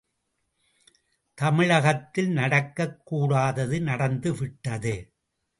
தமிழகத்தில் நடக்கக் கூடாதது நடந்து விட்டது.